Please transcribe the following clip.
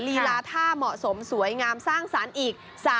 ลีลาท่าเหมาะสมสวยงามสร้างสรรค์อีก